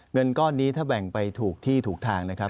เงินก้อนนี้ถ้าแบ่งไปถูกที่ถูกทางนะครับ